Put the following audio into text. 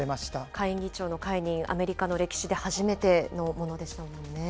下院議長の解任、アメリカの歴史で初めてのものでしたもんね。